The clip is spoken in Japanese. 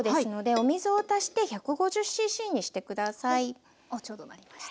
おっちょうどなりました。